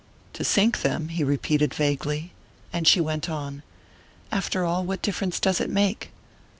"To sink them?" he repeated vaguely: and she went on: "After all, what difference does it make?"